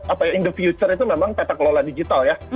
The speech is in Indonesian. apa ya in the future itu memang tata kelola digital ya